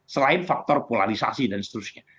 selain faktor polarisasi dan seterusnya